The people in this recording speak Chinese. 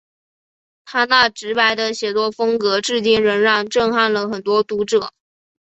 他那直白的写作风格至今仍然震撼了很多读者。